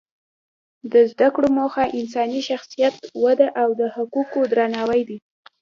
د زده کړو موخه انساني شخصیت وده او د حقوقو درناوی دی.